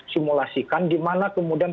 simulasikan di mana kemudian